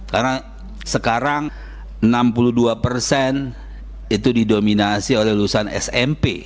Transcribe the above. karena sekarang enam puluh dua itu didominasi oleh lulusan smp